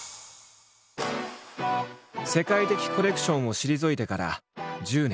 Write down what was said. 世界的コレクションを退いてから１０年。